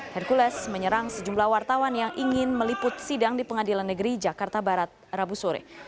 hercules menyerang sejumlah wartawan yang ingin meliput sidang di pengadilan negeri jakarta barat rabu sore